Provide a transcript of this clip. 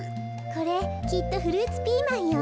これきっとフルーツピーマンよ。